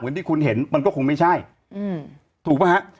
เหมือนที่คุณเห็นมันก็คงไม่ใช่อืมถูกปะฮะใช่